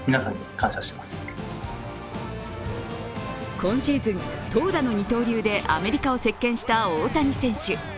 今シーズン、投打の二刀流でアメリカを席巻した大谷選手。